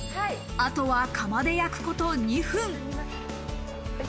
あとは窯で焼くこと２分。